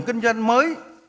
kinh doanh mới